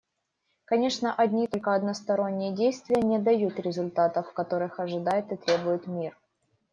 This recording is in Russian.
Конечно, одни только односторонние действия не дают результатов, которых ожидает и требует мир.